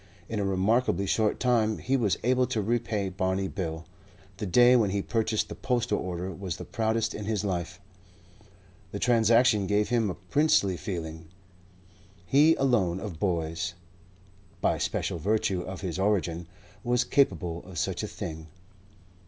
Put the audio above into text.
In a remarkably short time he was able to repay Barney Bill. The day when he purchased the postal order was the proudest in his life. The transaction gave him a princely feeling. He alone of boys, by special virtue of his origin, was capable of such a thing.